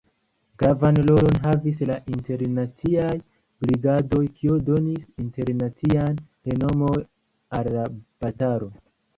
Gravan rolon havis la Internaciaj Brigadoj, kio donis internacian renomon al la batalo.